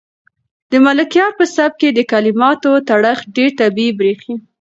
د ملکیار په سبک کې د کلماتو تړښت ډېر طبیعي برېښي.